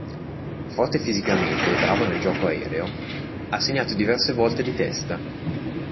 Forte fisicamente e bravo nel gioco aereo, ha segnato diverse volte di testa.